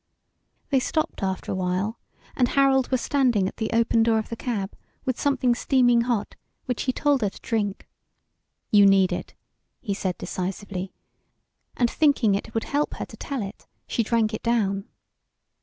They stopped after a while, and Harold was standing at the open door of the cab with something steaming hot which he told her to drink. "You need it," he said decisively, and thinking it would help her to tell it, she drank it down.